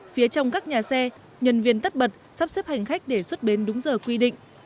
phía trong các nhà xe nhân viên tất bật sắp xếp hành khách để xuất bến đúng giờ quy định